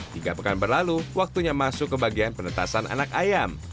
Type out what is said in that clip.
tiga pekan berlalu waktunya masuk ke bagian penetasan anak ayam